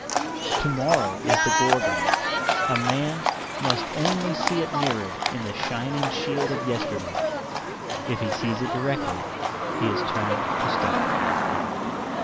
To morrow is the Gorgon; a man must only see it mirrored in the shining shield of yesterday. If he sees it directly he is turned to stone.